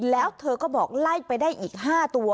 แล้วเธอก็บอกไล่ไปได้อีก๕ตัว